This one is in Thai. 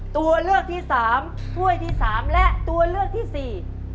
ตัวเลือกที่สามถ้วยที่สามและตัวเลือกที่สี่